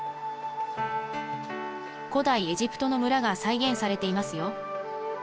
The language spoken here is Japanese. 古代エジプトの村が再現されていますよ。